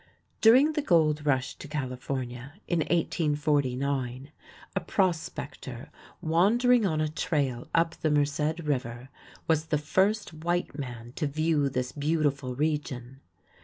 During the gold rush to California, in 1849, a prospector wandering on a trail up the Merced River was the first white man to view this beautiful region.